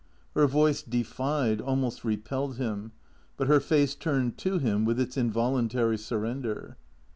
Her voice defied, almost repelled him ; but her face turned to him with its involuntary surrender.